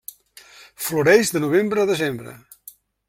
Floreix de novembre a desembre.